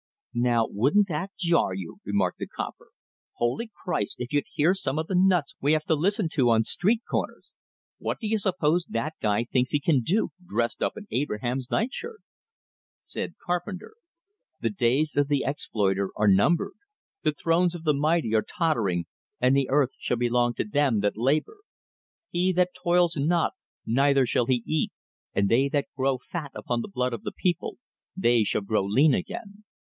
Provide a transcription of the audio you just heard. "Now wouldn't that jar you?" remarked the "copper." "Holy Christ, if you'd hear some of the nuts we have to listen to on street corners! What do you suppose that guy thinks he can do, dressed up in Abraham's nightshirt?" Said Carpenter: "The days of the exploiter are numbered. The thrones of the mighty are tottering, and the earth shall belong to them that labor. He that toils not, neither shall he eat, and they that grow fat upon the blood of the people they shall grow lean again."